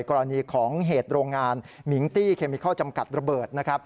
กรณีของเหตุโรงงานมิงตี้เคมิเคราะห์จำกัดระเบิด